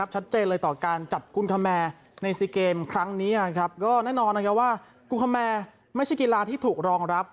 ชัดเจนเลยต่อการจัดกุลคแมในซีเกมครั้งนี้ครับก็แน่นอนเลยกักว่ากุลคแหมไม่ใช่กีฬาที่ถูกรองรับ